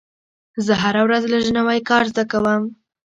زه هره ورځ لږ نوی کار زده کوم.